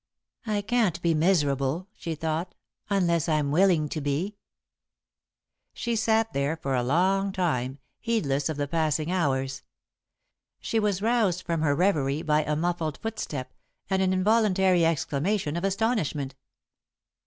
"I can't be miserable," she thought, "unless I'm willing to be." She sat there for a long time, heedless of the passing hours. She was roused from her reverie by a muffled footstep and an involuntary exclamation of astonishment.